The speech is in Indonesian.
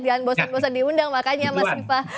jangan bosan bosan diundang makanya mas viva